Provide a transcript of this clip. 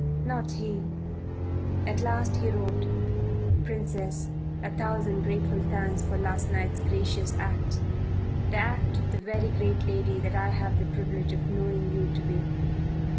Not he.... At last he wrote: PRINCESS, A thousand grateful thanks for last night's gracious act the act of the very great lady that I have the privilege of knowing you to be.